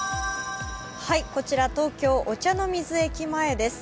こちら東京・御茶ノ水駅前です。